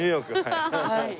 はい。